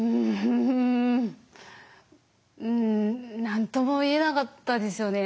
何とも言えなかったですよね。